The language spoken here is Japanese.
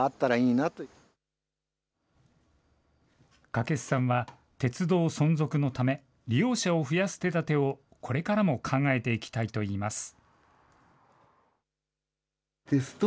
掛須さんは、鉄道存続のため、利用者を増やす手だてをこれからも考えていきたいといいます。